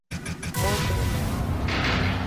Moto umewaka.